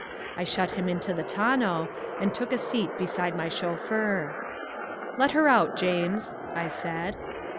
I shut him into the tonneau, and took a seat beside my chauffeur. "Let her out, James," I said.